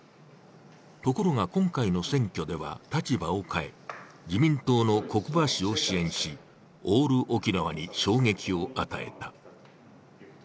ところが、今回の選挙では立場を変え自民党の國場氏を支援しオール沖縄に衝撃を与えた。